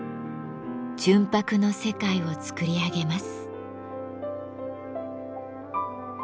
純白の世界を作り上げます。